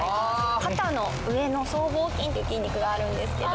肩の上の僧帽筋っていう筋肉があるんですけど。